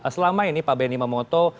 selama ini pak benny mamoto